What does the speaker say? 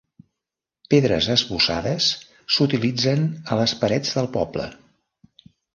Pedres esbossades s'utilitzen a les parets del poble.